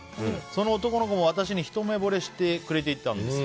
その男の子も私にひと目ぼれしてくれていたんです。